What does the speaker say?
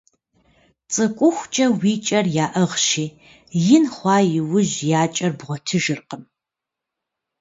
Цӏыкӏухукӏэ уи кӏэр яӏыгъщи, ин хъуа иужь я кӏэр бгъуэтыжыркъым.